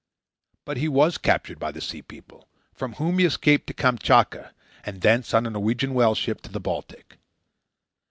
But he WAS captured by the Sea People, from whom he escaped to Kamchatka, and thence, on a Norwegian whale ship, to the Baltic.